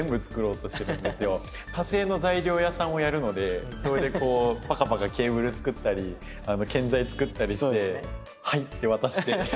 火星の材料屋さんをやるのでそれでこうパカパカケーブルつくったり建材つくったりして「はい！」って渡して。